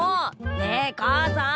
ねえ母さん！